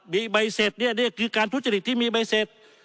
มีใบเศษเนี้ยเนี้ยคือการทุจจติดที่มีใบเศษ